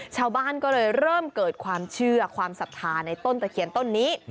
ชาวบ้านก็เลยเริ่มเกิดความเชื่อความศรัทธาในต้นตะเคียนต้นนี้